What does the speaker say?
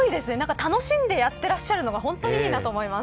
楽しんでやってらっしゃるのが本当にいいなと思います。